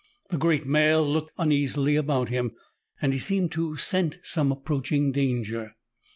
The great male looked uneasily about him, and seemed to scent some approaching danger.